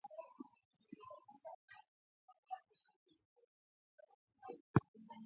cha serikali ya Zanzibar kumzuia kupanda majukwaani kuburudisha japokuwa alionekana katika tamasha la Sauti